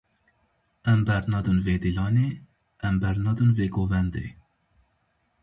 Em bernadin vê dîlanê, em bernadin vê govendê.